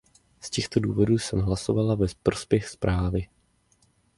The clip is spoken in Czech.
Z těchto důvodů jsem hlasovala ve prospěch zprávy.